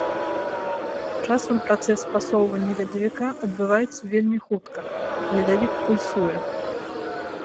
Часам працэс пасоўвання ледавіка адбываецца вельмі хутка, ледавік пульсуе.